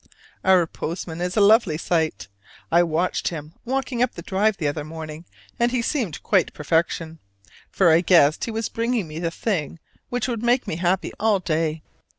Our postman is a lovely sight. I watched him walking up the drive the other morning, and he seemed quite perfection, for I guessed he was bringing me the thing which would make me happy all day.